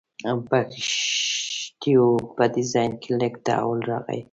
په کښتیو په ډیزاین کې لږ تحول راغی.